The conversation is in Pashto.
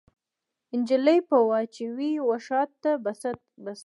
نجلۍ به واچوي وشا ته بسته